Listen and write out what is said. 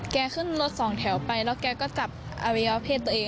แกขึ้นรถสองแถวไปแล้วแกก็กลับอวิวาเภสต์ตัวเอง